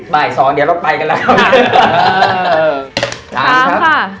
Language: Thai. บ่าย๒เดี๋ยวเราไปกันแล้ว